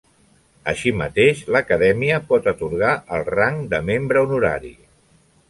Així mateix, l'Acadèmia pot atorgar el rang de membre honorari.